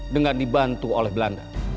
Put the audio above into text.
dengan dibantu oleh belanda